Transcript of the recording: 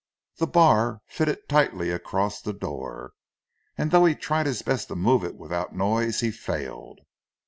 The bar fitted tightly across the door, and though he tried his best to move it without noise he failed.